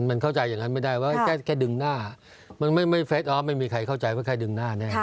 มันเข้าใจอย่างนั้นไม่ได้ว่าแค่ดึงหน้ามันไม่เฟสออฟไม่มีใครเข้าใจว่าใครดึงหน้าแน่